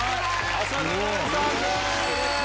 浅田舞さんです。